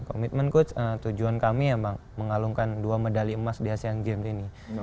komitmen coach tujuan kami emang mengalungkan dua medali emas di asean games ini